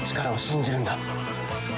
力を信じるんだ。